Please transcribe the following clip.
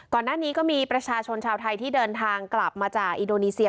ก่อนหน้านี้ก็มีประชาชนชาวไทยที่เดินทางกลับมาจากอินโดนีเซีย